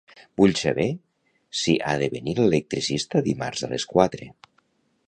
Vull saber si ha de venir l'electricista dimarts a les quatre.